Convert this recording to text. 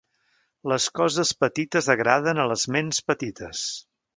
Les coses petites agraden a les ments petites